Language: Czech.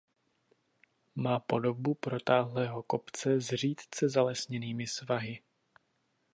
Má podobu protáhlého kopce s řídce zalesněnými svahy.